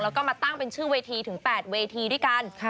แล้วก็มาตั้งเป็นชื่อเวทีถึง๘เวทีด้วยกัน